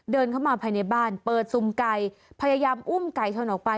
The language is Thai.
เดินเข้ามาภายในบ้านเปิดซุ่มไก่พยายามอุ้มไก่ชนออกไป